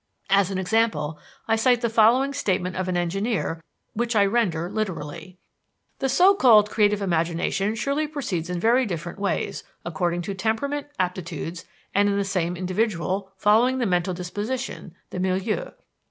As an example, I cite the following statement of an engineer, which I render literally: "The so called creative imagination surely proceeds in very different ways, according to temperament, aptitudes, and, in the same individual, following the mental disposition, the milieu.